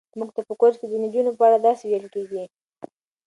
موږ ته په کورس کې د نجونو په اړه داسې ویل کېږي.